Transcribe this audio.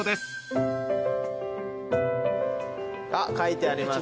あっ書いてあります。